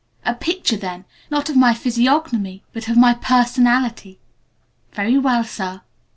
A picture, then, not of my physiognomy, but of my personality. Very well, sir.